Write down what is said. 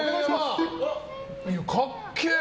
かっけー！